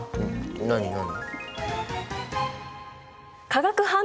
何何？